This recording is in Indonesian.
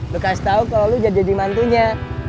lu kasih tau kalo lu jadi mantunya